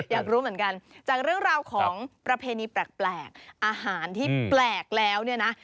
อยากรู้เหมือนกันจากเรื่องราวของประเพณีแปลกอาหารที่แปลกแล้วเนี่ยนะ